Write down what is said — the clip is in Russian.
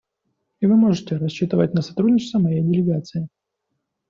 И вы можете рассчитывать на сотрудничество моей делегации.